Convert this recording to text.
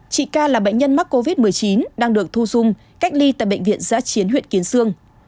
chị ca là bệnh nhân mắc covid một mươi chín đang được thu dung cách ly tại bệnh viện giã chiến huyện kiến sương